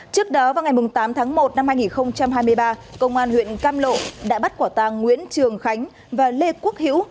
trước đó vào ngày tám tháng một năm hai nghìn hai mươi ba công an huyện cam lộ đã bắt quả tàng nguyễn trường khánh và lê quốc hữu